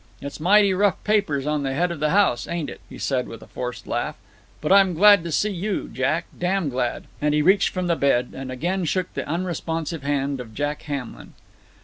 It's mighty rough papers on the head of the house, ain't it?" he said, with a forced laugh. "But I'm glad to see you, Jack, damn glad," and he reached from the bed, and again shook the unresponsive hand of Jack Hamlin.